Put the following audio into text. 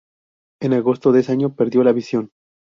En agosto de ese año perdió la visión.